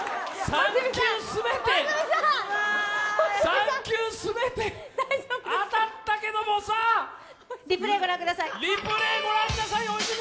３球全て当たったけれども、さあリプレーご覧ください。